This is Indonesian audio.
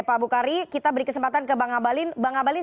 pak bukhari kita beri kesempatan ke pak ngabalin